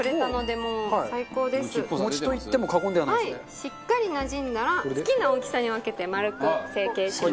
奈緒：しっかりなじんだら好きな大きさに分けて丸く成形します。